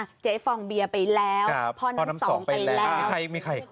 อ่ะเจ๊ฟองเบียไปแล้วพ่อน้ำสองไปแล้ว